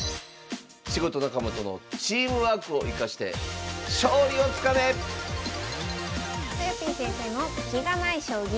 仕事仲間とのチームワークを生かして勝利をつかめ！とよぴー先生の「スキがない将棋」。